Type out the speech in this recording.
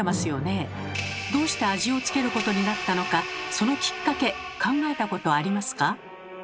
どうして味を付けることになったのかそのきっかけ考えたことありますか？